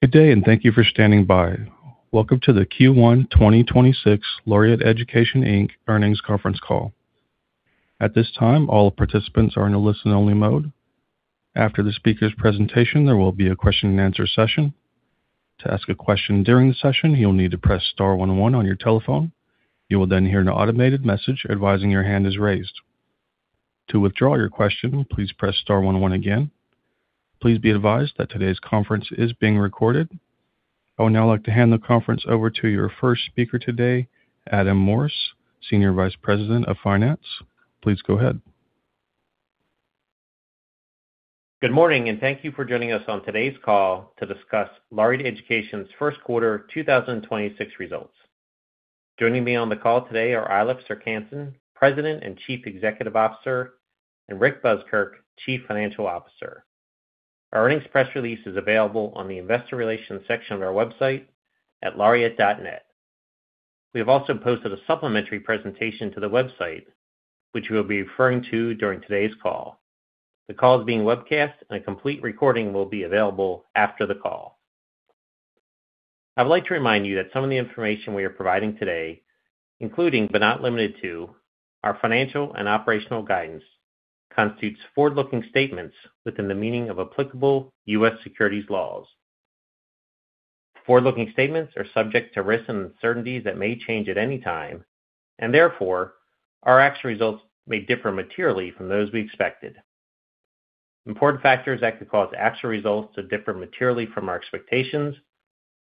Good day. Thank you for standing by. Welcome to the Q1 2026 Laureate Education Inc earnings conference call. At this time, all participants are in a listen-only mode. After the speaker's presentation, there will be a question-and-answer session. To ask a question during the session, you'll need to press star one one on your telephone. You will then hear an automated message advising your hand is raised. To withdraw your question, please press star one one again. Please be advised that today's conference is being recorded. I would now like to hand the conference over to your first speaker today, Adam Morse, Senior Vice President of Finance. Please go ahead. Good morning, and thank you for joining us on today's call to discuss Laureate Education's first quarter 2026 results. Joining me on the call today are Eilif Serck-Hanssen, President and Chief Executive Officer, and Rick Buskirk, Chief Financial Officer. Our earnings press release is available on the Investor Relations section of our website at laureate.net. We have also posted a supplementary presentation to the website, which we'll be referring to during today's call. The call is being webcast, and a complete recording will be available after the call. I would like to remind you that some of the information we are providing today, including, but not limited to our financial and operational guidance, constitutes forward-looking statements within the meaning of applicable U.S. securities laws. Forward-looking statements are subject to risks and uncertainties that may change at any time, and therefore, our actual results may differ materially from those we expected. Important factors that could cause actual results to differ materially from our expectations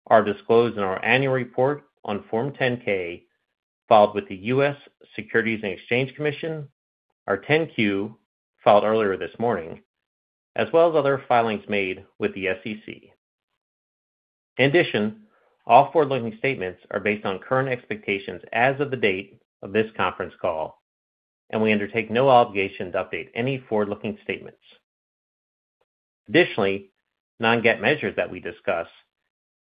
are disclosed in our annual report on Form 10-K filed with the U.S. Securities and Exchange Commission, our 10-Q filed earlier this morning, as well as other filings made with the SEC. In addition, all forward-looking statements are based on current expectations as of the date of this conference call, and we undertake no obligation to update any forward-looking statements. Additionally, non-GAAP measures that we discuss,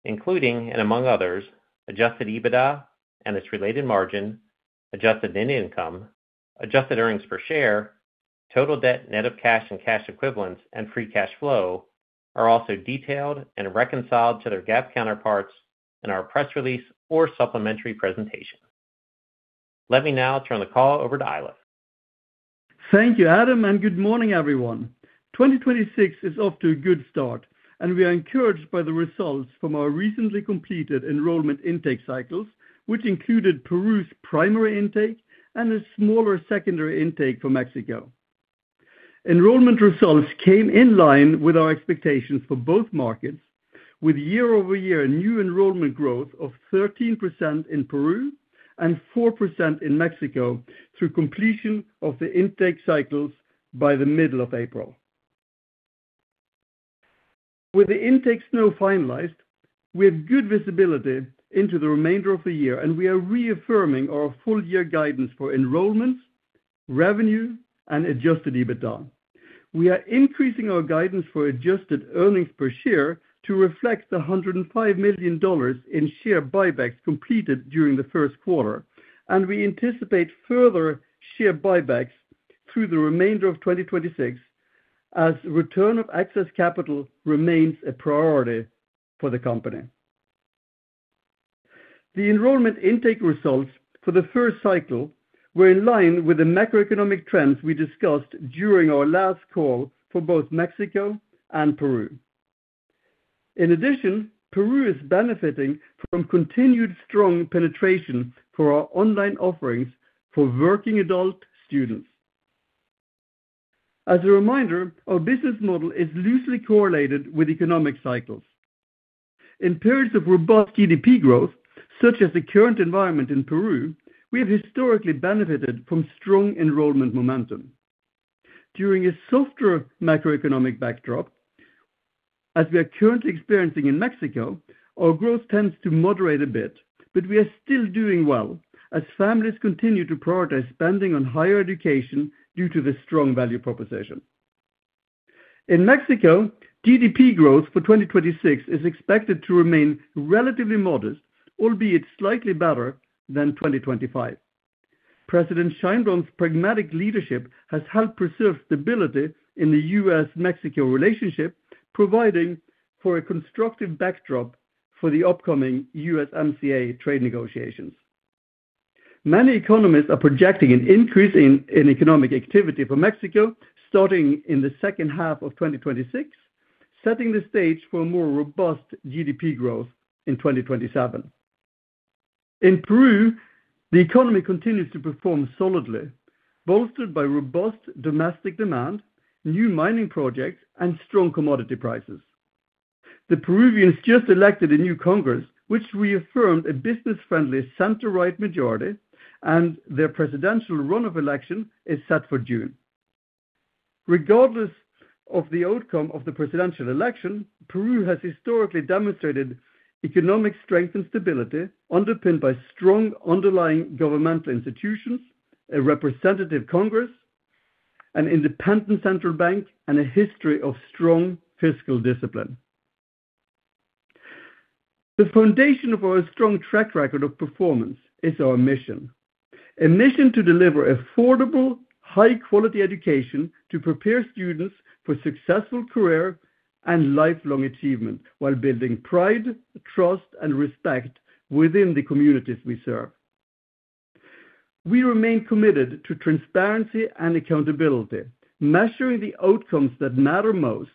including and among others, Adjusted EBITDA and its related margin, Adjusted net income, Adjusted Earnings Per Share, total debt net of cash and cash equivalents, and Free Cash Flow are also detailed and reconciled to their GAAP counterparts in our press release or supplementary presentation. Let me now turn the call over to Eilif. Thank you, Adam, and good morning, everyone. 2026 is off to a good start, and we are encouraged by the results from our recently completed enrollment intake cycles, which included Peru's primary intake and a smaller secondary intake for Mexico. Enrollment results came in line with our expectations for both markets with year-over-year new enrollment growth of 13% in Peru and 4% in Mexico through completion of the intake cycles by the middle of April. With the intakes now finalized, we have good visibility into the remainder of the year, and we are reaffirming our full-year guidance for enrollments, revenue, and Adjusted EBITDA. We are increasing our guidance for Adjusted Earnings Per Share to reflect the $105 million in share buybacks completed during the first quarter. We anticipate further share buybacks through the remainder of 2026 as return of excess capital remains a priority for the company. The enrollment intake results for the first cycle were in line with the macroeconomic trends we discussed during our last call for both Mexico and Peru. In addition, Peru is benefiting from continued strong penetration for our online offerings for working adult students. As a reminder, our business model is loosely correlated with economic cycles. In periods of robust GDP growth, such as the current environment in Peru, we have historically benefited from strong enrollment momentum. During a softer macroeconomic backdrop, as we are currently experiencing in Mexico, our growth tends to moderate a bit, but we are still doing well as families continue to prioritize spending on higher education due to the strong value proposition. In Mexico, GDP growth for 2026 is expected to remain relatively modest, albeit slightly better than 2025. President Sheinbaum's pragmatic leadership has helped preserve stability in the U.S.-Mexico relationship, providing for a constructive backdrop for the upcoming USMCA trade negotiations. Many economists are projecting an increase in economic activity for Mexico starting in the second half of 2026, setting the stage for more robust GDP growth in 2027. In Peru, the economy continues to perform solidly, bolstered by robust domestic demand, new mining projects, and strong commodity prices. The Peruvians just elected a new Congress, which reaffirmed a business-friendly center-right majority, and their presidential runoff election is set for June. Regardless of the outcome of the presidential election, Peru has historically demonstrated economic strength and stability underpinned by strong underlying governmental institutions, a representative Congress, an independent central bank, and a history of strong fiscal discipline. The foundation of our strong track record of performance is our mission. A mission to deliver affordable, high quality education to prepare students for successful career and lifelong achievement while building pride, trust and respect within the communities we serve. We remain committed to transparency and accountability, measuring the outcomes that matter most,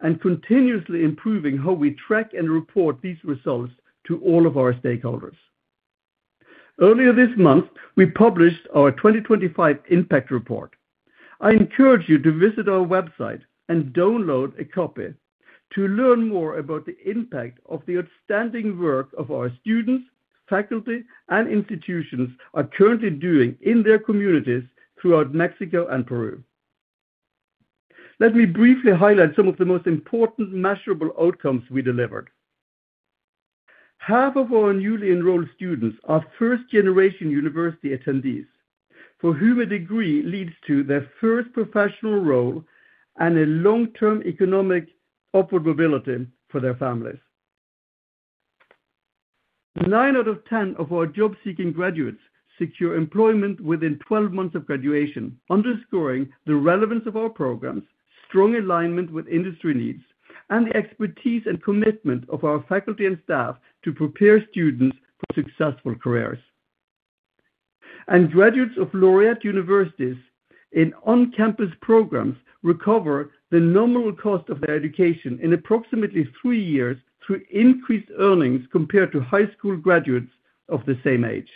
and continuously improving how we track and report these results to all of our stakeholders. Earlier this month, we published our 2025 Impact Report. I encourage you to visit our website and download a copy to learn more about the impact of the outstanding work of our students, faculty, and institutions are currently doing in their communities throughout Mexico and Peru. Let me briefly highlight some of the most important measurable outcomes we delivered. Half of our newly enrolled students are first-generation university attendees for whom a degree leads to their first professional role and a long-term economic upward mobility for their families. Nine out of 10 of our job-seeking graduates secure employment within 12 months of graduation, underscoring the relevance of our programs, strong alignment with industry needs, and the expertise and commitment of our faculty and staff to prepare students for successful careers. Graduates of Laureate universities in on-campus programs recover the nominal cost of their education in approximately three years through increased earnings compared to high school graduates of the same age,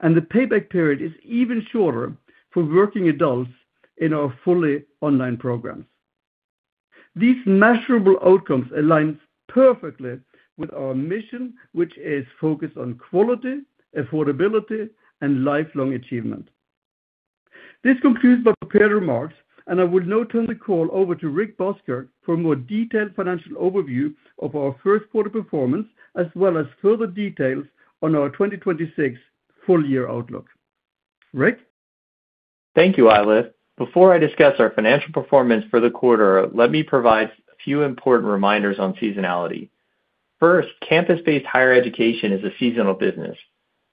and the payback period is even shorter for working adults in our fully online programs. These measurable outcomes aligns perfectly with our mission, which is focused on quality, affordability, and lifelong achievement. This concludes my prepared remarks, and I will now turn the call over to Rick Buskirk for a more detailed financial overview of our first quarter performance, as well as further details on our 2026 full year outlook. Rick? Thank you, Eilif. Before I discuss our financial performance for the quarter, let me provide a few important reminders on seasonality. First, campus-based higher education is a seasonal business.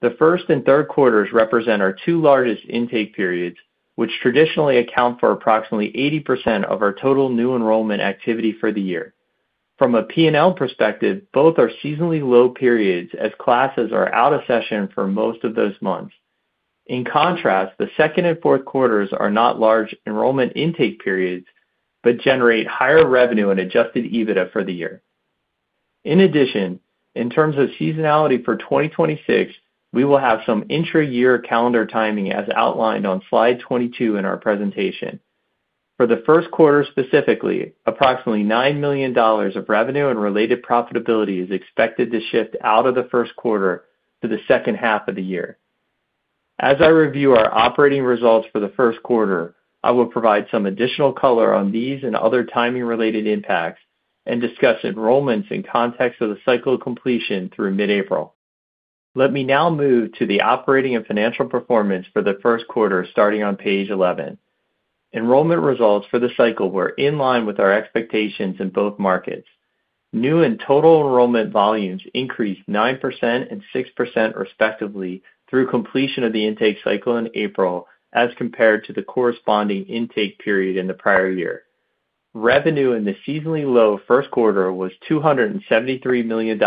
The first and third quarters represent our two largest intake periods, which traditionally account for approximately 80% of our total new enrollment activity for the year. From a P&L perspective, both are seasonally low periods as classes are out of session for most of those months. In contrast, the second and fourth quarters are not large enrollment intake periods, but generate higher revenue and Adjusted EBITDA for the year. In addition, in terms of seasonality for 2026, we will have some intra-year calendar timing as outlined on slide 22 in our presentation. For the first quarter specifically, approximately $9 million of revenue and related profitability is expected to shift out of the first quarter to the second half of the year. As I review our operating results for the first quarter, I will provide some additional color on these and other timing related impacts and discuss enrollments in context of the cycle completion through mid-April. Let me now move to the operating and financial performance for the first quarter starting on page 11. Enrollment results for the cycle were in line with our expectations in both markets. New and total enrollment volumes increased 9% and 6% respectively through completion of the intake cycle in April as compared to the corresponding intake period in the prior year. Revenue in the seasonally low first quarter was $273 million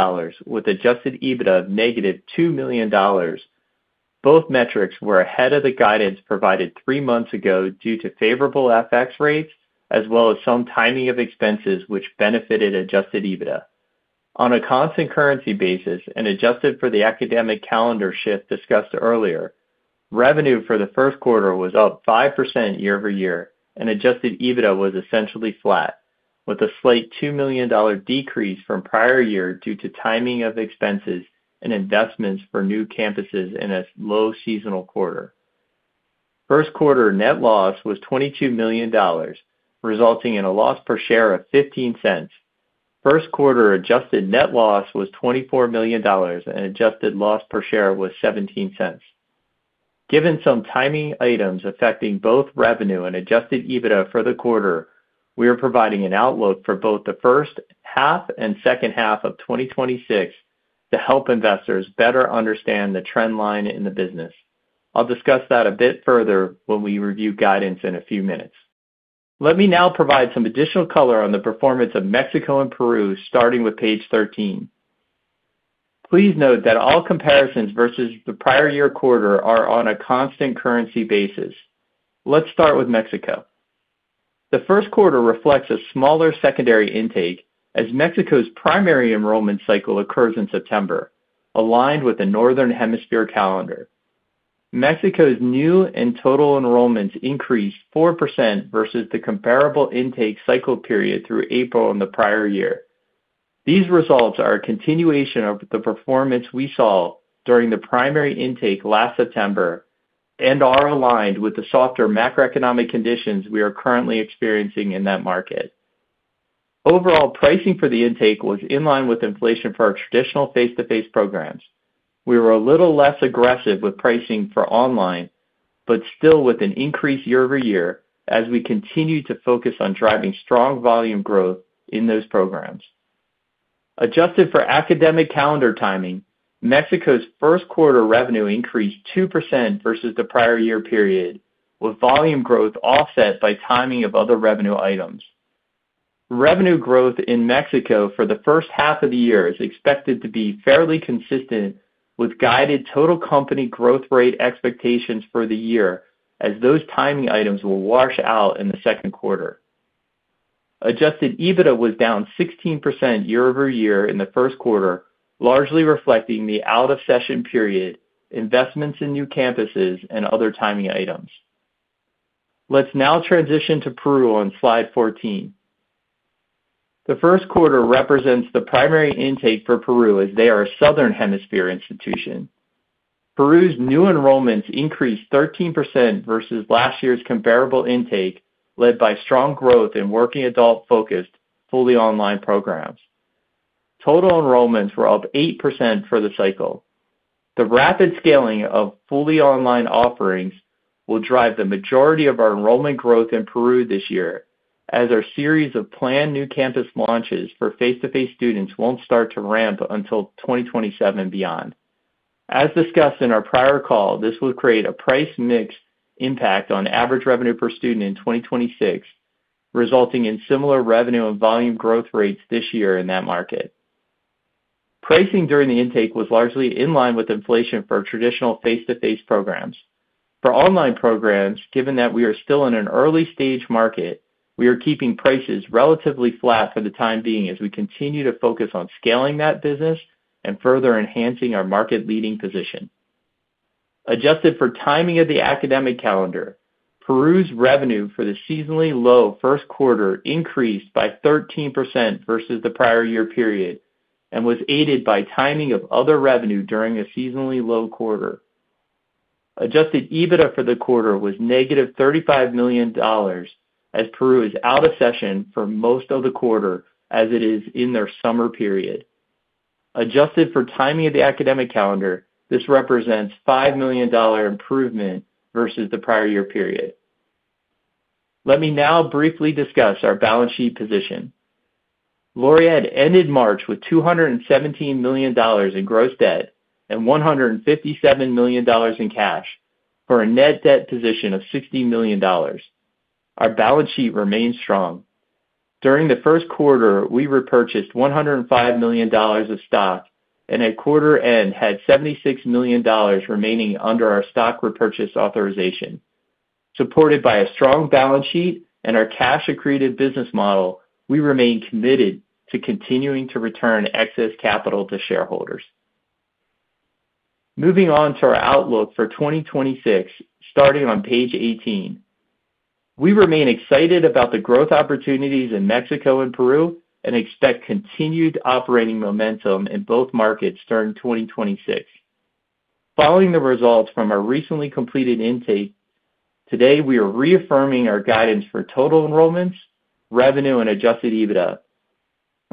with Adjusted EBITDA of $-2 million. Both metrics were ahead of the guidance provided three months ago due to favorable FX rates as well as some timing of expenses which benefited Adjusted EBITDA. On a constant currency basis and adjusted for the academic calendar shift discussed earlier, revenue for the first quarter was up 5% year-over-year and Adjusted EBITDA was essentially flat, with a slight $2 million decrease from prior year due to timing of expenses and investments for new campuses in a low seasonal quarter. First quarter net loss was $22 million, resulting in a loss per share of $0.15. First quarter Adjusted net loss was $24 million, and Adjusted Loss Per Share was $0.17. Given some timing items affecting both revenue and Adjusted EBITDA for the quarter, we are providing an outlook for both the first half and second half of 2026 to help investors better understand the trend line in the business. I'll discuss that a bit further when we review guidance in a few minutes. Let me now provide some additional color on the performance of Mexico and Peru, starting with page 13. Please note that all comparisons versus the prior year quarter are on a constant currency basis. Let's start with Mexico. The first quarter reflects a smaller secondary intake as Mexico's primary enrollment cycle occurs in September, aligned with the Northern Hemisphere calendar. Mexico's new and total enrollments increased 4% versus the comparable intake cycle period through April in the prior year. These results are a continuation of the performance we saw during the primary intake last September and are aligned with the softer macroeconomic conditions we are currently experiencing in that market. Overall, pricing for the intake was in line with inflation for our traditional face-to-face programs. We were a little less aggressive with pricing for Online. Still with an increase year-over-year as we continue to focus on driving strong volume growth in those programs. Adjusted for academic calendar timing, Mexico's first quarter revenue increased 2% versus the prior year period, with volume growth offset by timing of other revenue items. Revenue growth in Mexico for the first half of the year is expected to be fairly consistent with guided total company growth rate expectations for the year as those timing items will wash out in the second quarter. Adjusted EBITDA was down 16% year-over-year in the first quarter, largely reflecting the out-of-session period, investments in new campuses, and other timing items. Let's now transition to Peru on slide 14. The first quarter represents the primary intake for Peru as they are a Southern Hemisphere institution. Peru's new enrollments increased 13% versus last year's comparable intake, led by strong growth in working adult-focused fully online programs. Total enrollments were up 8% for the cycle. The rapid scaling of fully online offerings will drive the majority of our enrollment growth in Peru this year as our series of planned new campus launches for face-to-face students won't start to ramp until 2027 and beyond. As discussed in our prior call, this will create a price mix impact on average revenue per student in 2026, resulting in similar revenue and volume growth rates this year in that market. Pricing during the intake was largely in line with inflation for traditional face-to-face programs. For online programs, given that we are still in an early stage market, we are keeping prices relatively flat for the time being as we continue to focus on scaling that business and further enhancing our market-leading position. Adjusted for timing of the academic calendar, Peru's revenue for the seasonally low first quarter increased by 13% versus the prior year period and was aided by timing of other revenue during a seasonally low quarter. Adjusted EBITDA for the quarter was $-35 million as Peru is out of session for most of the quarter as it is in their summer period. Adjusted for timing of the academic calendar, this represents $5 million improvement versus the prior year period. Let me now briefly discuss our balance sheet position. Laureate ended March with $217 million in gross debt and $157 million in cash, for a net debt position of $60 million. Our balance sheet remains strong. During the first quarter, we repurchased $105 million of stock and at quarter end had $76 million remaining under our stock repurchase authorization. Supported by a strong balance sheet and our cash accretive business model, we remain committed to continuing to return excess capital to shareholders. Moving on to our outlook for 2026, starting on page 18. We remain excited about the growth opportunities in Mexico and Peru and expect continued operating momentum in both markets during 2026. Following the results from our recently completed intake, today we are reaffirming our guidance for total enrollments, revenue, and Adjusted EBITDA,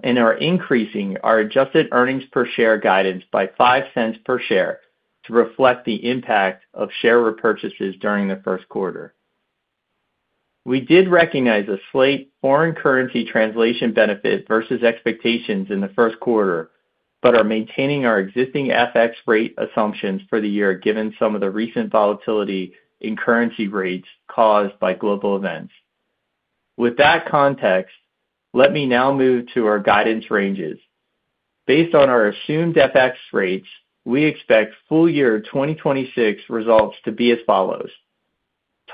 and are increasing our Adjusted Earnings Per Share guidance by $0.05 per share to reflect the impact of share repurchases during the first quarter. We did recognize a slight foreign currency translation benefit versus expectations in the first quarter. Are maintaining our existing FX rate assumptions for the year given some of the recent volatility in currency rates caused by global events. With that context, let me now move to our guidance ranges. Based on our assumed FX rates, we expect full year 2026 results to be as follows: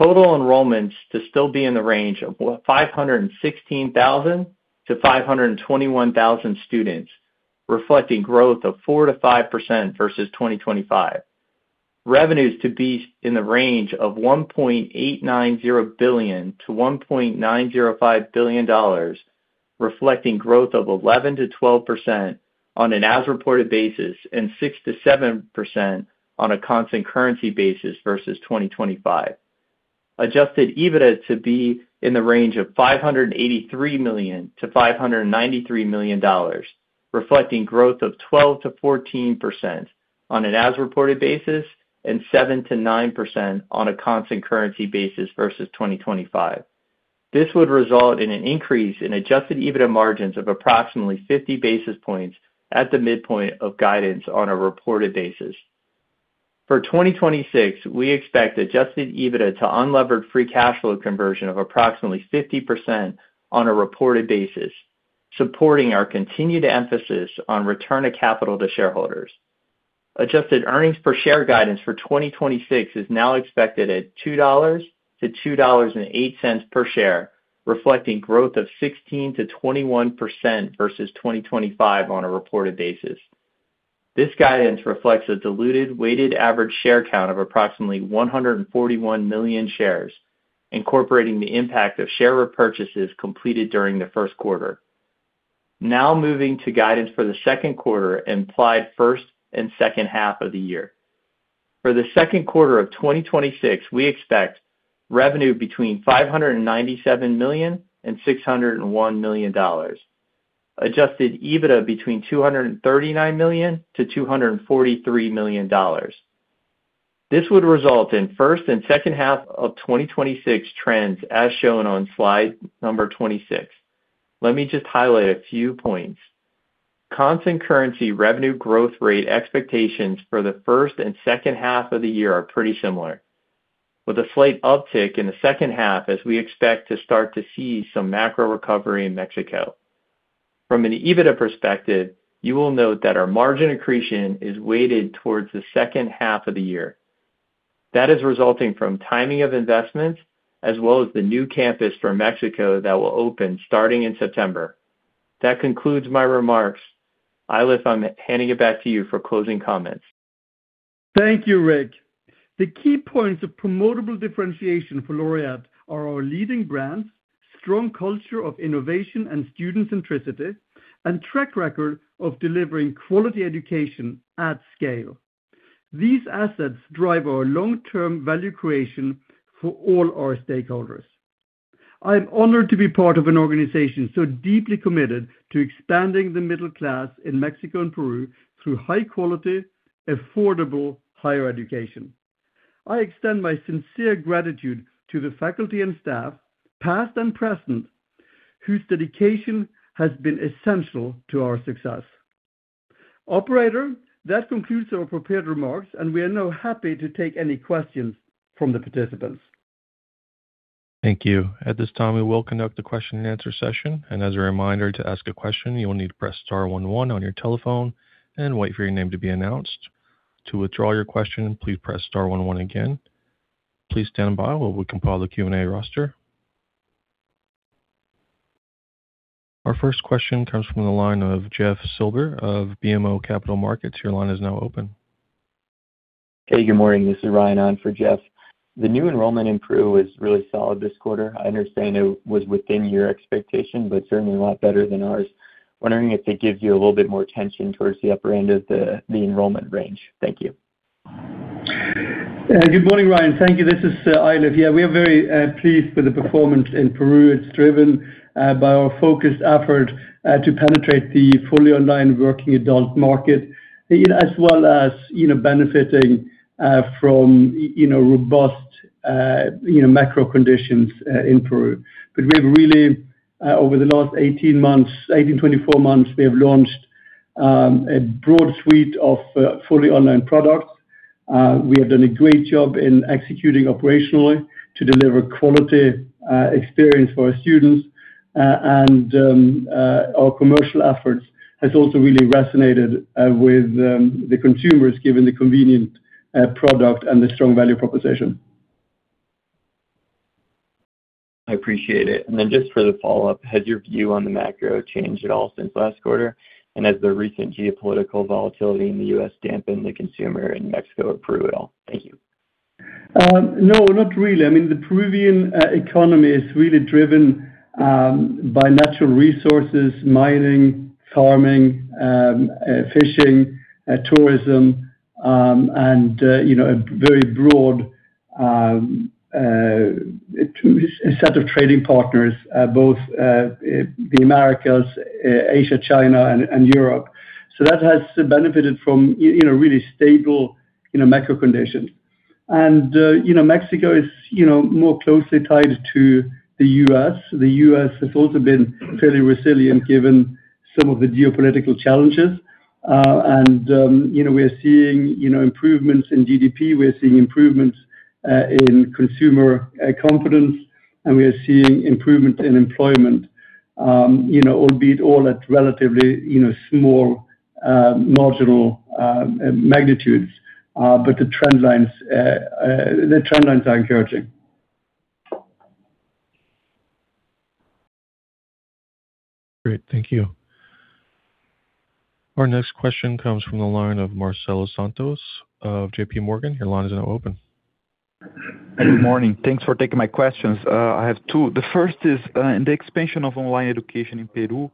Total enrollments to still be in the range of what 516,000-521,000 students, reflecting growth of 4%-5% versus 2025. Revenues to be in the range of $1.890 billion-$1.905 billion, reflecting growth of 11%-12% on an as-reported basis, and 6%-7% on a constant currency basis versus 2025. Adjusted EBITDA to be in the range of $583 million-$593 million, reflecting growth of 12%-14% on an as-reported basis, and 7%-9% on a constant currency basis versus 2025. This would result in an increase in Adjusted EBITDA margins of approximately 50 basis points at the midpoint of guidance on a reported basis. For 2026, we expect Adjusted EBITDA to Unlevered Free Cash Flow conversion of approximately 50% on a reported basis, supporting our continued emphasis on return of capital to shareholders. Adjusted Earnings Per Share guidance for 2026 is now expected at $2.00-$2.08 per share, reflecting growth of 16%-21% versus 2025 on a reported basis. This guidance reflects a diluted weighted average share count of approximately 141 million shares, incorporating the impact of share repurchases completed during the first quarter. Now moving to guidance for the second quarter, implied first and second half of the year. For the second quarter of 2026, we expect revenue between $597 million and $601 million dollars. Adjusted EBITDA between $239 million to $243 million dollars. This would result in first and second half of 2026 trends as shown on slide number 26. Let me just highlight a few points. Constant currency revenue growth rate expectations for the first and second half of the year are pretty similar, with a slight uptick in the second half as we expect to start to see some macro recovery in Mexico. From an EBITDA perspective, you will note that our margin accretion is weighted towards the second half of the year. That is resulting from timing of investments as well as the new campus for Mexico that will open starting in September. That concludes my remarks. Eilif, I'm handing it back to you for closing comments. Thank you, Rick. The key points of promotable differentiation for Laureate are our leading brands, strong culture of innovation and student centricity, and track record of delivering quality education at scale. These assets drive our long-term value creation for all our stakeholders. I am honored to be part of an organization so deeply committed to expanding the middle class in Mexico and Peru through high quality, affordable higher education. I extend my sincere gratitude to the faculty and staff, past and present, whose dedication has been essential to our success. Operator, that concludes our prepared remarks, and we are now happy to take any questions from the participants. Thank you. At this time, we will conduct a question-and-answer session. As a reminder, to ask a question, you will need to press star one one on your telephone and wait for your name to be announced. To withdraw your question, please press star one one again. Please stand by while we compile the Q&A roster. Our first question comes from the line of Jeff Silber of BMO Capital Markets. Your line is now open. Hey, good morning. This is Ryan on for Jeff. The new enrollment in Peru is really solid this quarter. I understand it was within your expectation, but certainly a lot better than ours. Wondering if it gives you a little bit more tension towards the upper end of the enrollment range. Thank you. Good morning, Ryan. Thank you. This is Eilif. Yeah, we are very pleased with the performance in Peru. It's driven by our focused effort to penetrate the fully online working adult market, you know, as well as, you know, benefiting from, you know, robust, you know, macro conditions in Peru. We've really over the last 18 months, 18-24 months, we have launched a broad suite of fully online products. We have done a great job in executing operationally to deliver quality experience for our students. Our commercial efforts has also really resonated with the consumers given the convenient product and the strong value proposition. I appreciate it. Just for the follow-up, has your view on the macro changed at all since last quarter? Has the recent geopolitical volatility in the U.S. dampened the consumer in Mexico or Peru at all? Thank you. No, not really. I mean, the Peruvian economy is really driven by natural resources, mining, farming, fishing, tourism, and, you know, a very broad set of trading partners, both the Americas, Asia, China and Europe. That has benefited from, you know, really stable, you know, macro conditions. Mexico is, you know, more closely tied to the U.S. The U.S. has also been fairly resilient given some of the geopolitical challenges. We're seeing, you know, improvements in GDP, we're seeing improvements in consumer confidence, and we are seeing improvement in employment. You know, albeit all at relatively, you know, small, marginal magnitudes. The trend lines are encouraging. Great. Thank you. Our next question comes from the line of Marcelo Santos of JPMorgan. Your line is now open. Good morning. Thanks for taking my questions. I have 2. The 1st is, in the expansion of online education in Peru,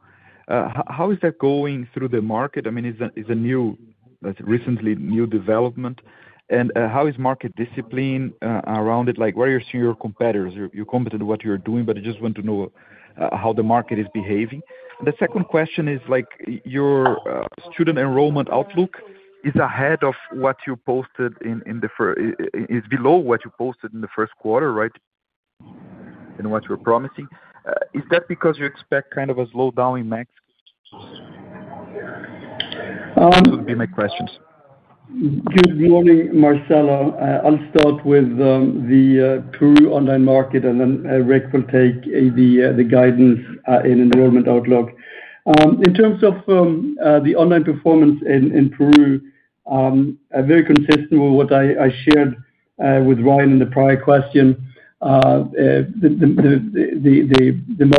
how is that going through the market? I mean, is a new, recently new development. How is market discipline around it? Like, where are your senior competitors? You competed what you're doing, but I just want to know how the market is behaving. The second question is like, your student enrollment outlook is below what you posted in the first quarter, right? Than what you were promising. Is that because you expect kind of a slowdown in Mexico? Those would be my questions. Good morning, Marcelo. I'll start with the Peru online market, then Rick will take the guidance in enrollment outlook. In terms of the online performance in Peru, very consistent with what I shared with Ryan in the prior question. The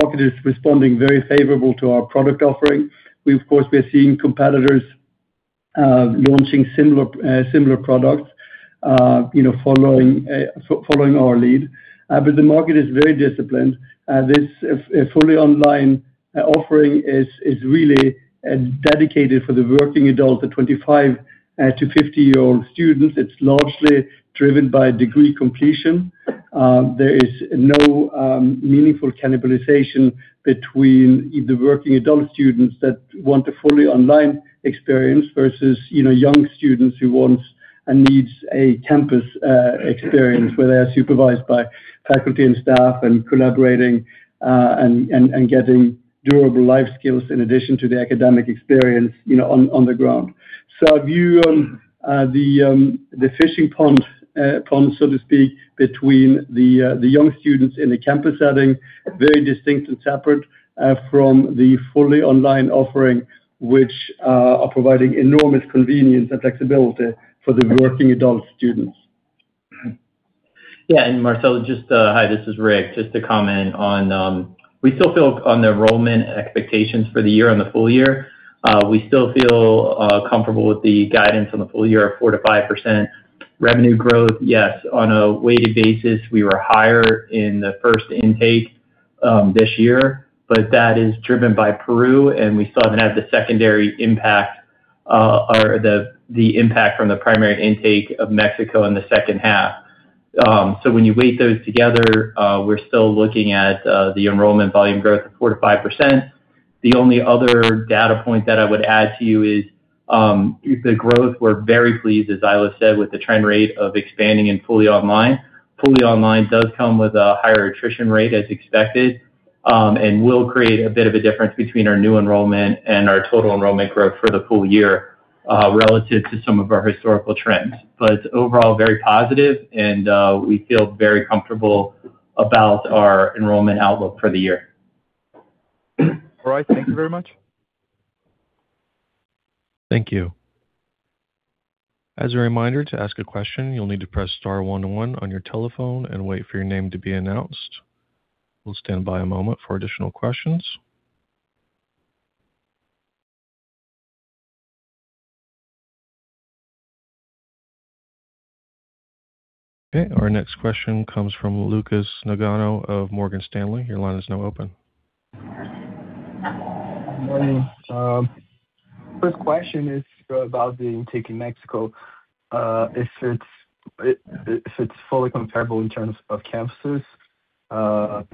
market is responding very favorable to our product offering. We of course, we're seeing competitors launching similar similar products, you know, following our lead. The market is very disciplined. This fully online offering is really dedicated for the working adult, the 25 to 50-year-old students. It's largely driven by degree completion. There is no meaningful cannibalization between the working adult students that want a fully online experience versus, you know, young students who wants and needs a campus experience where they're supervised by faculty and staff and collaborating and getting durable life skills in addition to the academic experience, you know, on the ground. I view the fishing pond, so to speak, between the young students in the campus setting very distinct and separate from the fully online offering, which are providing enormous convenience and flexibility for the working adult students. Yeah. Marcelo. Hi, this is Rick. Just to comment on, we still feel on the enrollment expectations for the year, on the full year, we still feel comfortable with the guidance on the full year of 4%-5% revenue growth. Yes, on a weighted basis, we were higher in the first intake this year, that is driven by Peru. We still haven't had the secondary impact, or the impact from the primary intake of Mexico in the second half. When you weigh those together, we're still looking at the enrollment volume growth of 4%-5%. The only other data point that I would add to you is the growth, we're very pleased, as Eilif said, with the trend rate of expanding in fully online. Fully online does come with a higher attrition rate as expected, and will create a bit of a difference between our new enrollment and our total enrollment growth for the full year, relative to some of our historical trends. Overall, very positive and, we feel very comfortable about our enrollment outlook for the year. All right. Thank you very much. Thank you. As a reminder, to ask a question, you'll need to press star one one on your telephone and wait for your name to be announced. We'll stand by a moment for additional questions. Okay. Our next question comes from Lucas Nagano of Morgan Stanley. Your line is now open. Morning. First question is about the intake in Mexico. If it's, if it's fully comparable in terms of campuses, of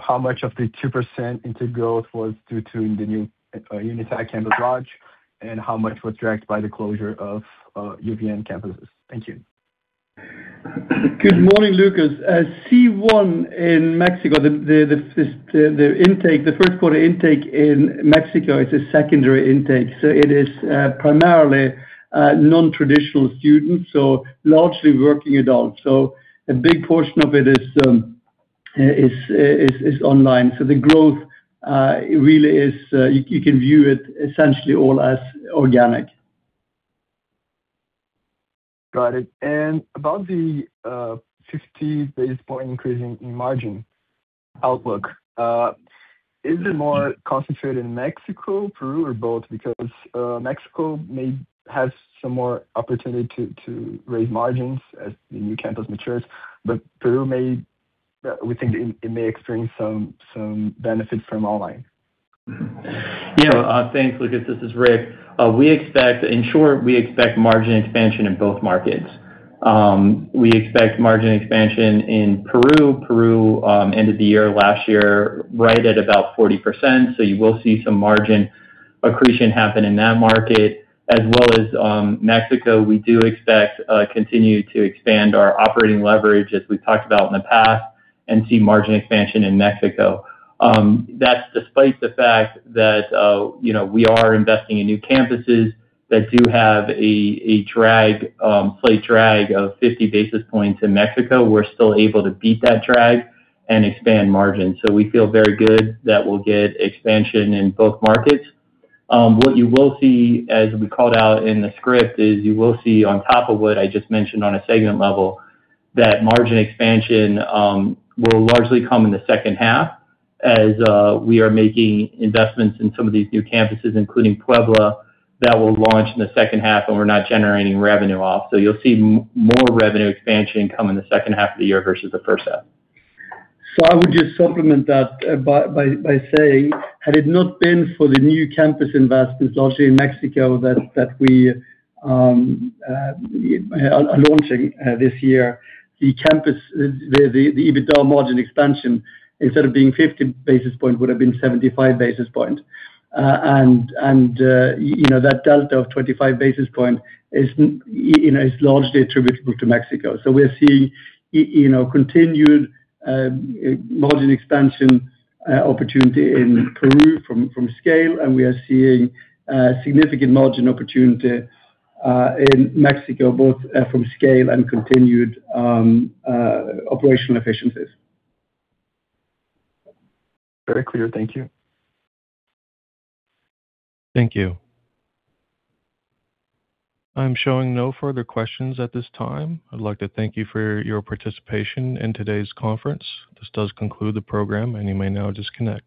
how much of the 2% intake growth was due to the new UNITEC campus launch, and how much was dragged by the closure of UPN campuses? Thank you. Good morning, Lucas. C1 in Mexico, the intake, the first quarter intake in Mexico is a secondary intake, it is primarily non-traditional students, largely working adults. A big portion of it is online. The growth really is, you can view it essentially all as organic. Got it. About the 50 basis point increase in margin outlook, is it more concentrated in Mexico, Peru, or both? Mexico may have some more opportunity to raise margins as the new campus matures, but Peru may, we think it may experience some benefits from online. Thanks, Lucas. This is Rick. We expect, in short, we expect margin expansion in both markets. We expect margin expansion in Peru. Peru, ended the year last year right at about 40%, you will see some margin accretion happen in that market. As well as, Mexico, we do expect to continue to expand our operating leverage as we've talked about in the past and see margin expansion in Mexico. That's despite the fact that, you know, we are investing in new campuses that do have a drag, a drag of 50 basis points in Mexico. We're still able to beat that drag and expand margin. We feel very good that we'll get expansion in both markets. What you will see, as we called out in the script, is you will see on top of what I just mentioned on a segment level, that margin expansion will largely come in the second half as we are making investments in some of these new campuses, including Puebla, that will launch in the second half, and we're not generating revenue off. You'll see more revenue expansion come in the second half of the year versus the first half. I would just supplement that by saying, had it not been for the new campus investments, largely in Mexico, that we are launching this year, the campus EBITDA margin expansion, instead of being 50 basis points, would have been 75 basis points. You know, that delta of 25 basis points is, you know, is largely attributable to Mexico. We're seeing, you know, continued margin expansion opportunity in Peru from scale, and we are seeing significant margin opportunity in Mexico, both from scale and continued operational efficiencies. Very clear. Thank you. Thank you. I'm showing no further questions at this time. I'd like to thank you for your participation in today's conference. This does conclude the program, and you may now disconnect.